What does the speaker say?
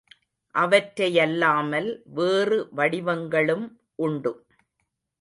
அவற்றையல்லாமல் வேறு வடிவங்களும் உண்டு.